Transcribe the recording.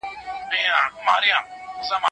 نبي علیه السلام د ټولو انسانانو لپاره لارښود دی.